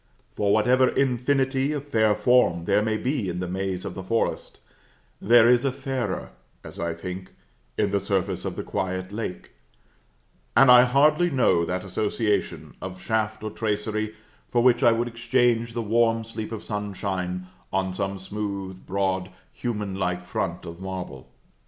For, whatever infinity of fair form there may be in the maze of the forest, there is a fairer, as I think, in the surface of the quiet lake; and I hardly know that association of shaft or tracery, for which I would exchange the warm sleep of sunshine on some smooth, broad, human like front of marble.